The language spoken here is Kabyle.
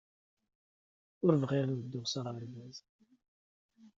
Ur bɣiɣ ad dduɣ s aɣerbaz.